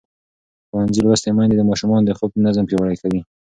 ښوونځې لوستې میندې د ماشومانو د خوب نظم پیاوړی کوي.